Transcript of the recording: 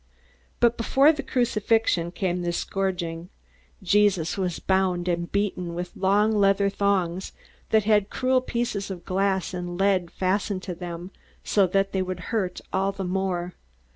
But before the crucifixion came the scourging. Jesus was bound and beaten with long leather thongs which had cruel pieces of glass and lead fastened to them so that they would hurt all the more.